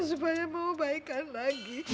maksudnya mau baikan lagi